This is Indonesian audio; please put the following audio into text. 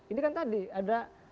ini kan tadi ada